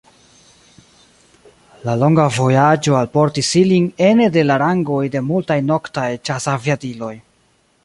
La longa vojaĝo alportis ilin ene de la rangoj de multaj noktaj ĉasaviadiloj.